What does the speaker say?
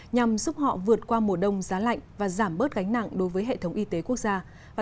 nhằm giúp họ vượt qua mùa đông giá lạnh và giảm bớt gánh nặng đối với hệ thống y tế quốc gia